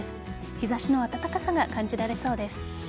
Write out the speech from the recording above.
日差しの暖かさが感じられそうです。